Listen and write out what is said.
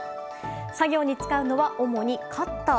作業に使うのは主にカッター。